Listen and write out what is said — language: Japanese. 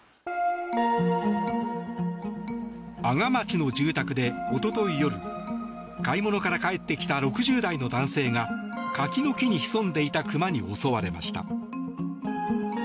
阿賀町の住宅でおととい夜買い物から帰ってきた６０代の男性が柿の木に潜んでいた熊に襲われました。